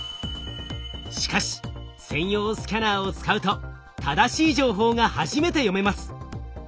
しかし専用スキャナーを使うと正しい情報が初めて読めます。